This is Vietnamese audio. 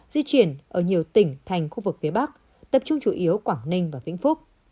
di chuyển ở nhiều tỉnh thành khu vực phía bắc tập trung chủ yếu quảng ninh và vĩnh phúc